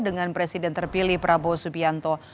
dengan presiden terpilih prabowo subianto